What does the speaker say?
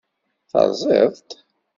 Teṛẓiḍ-t.